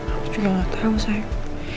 aku juga gak tau saya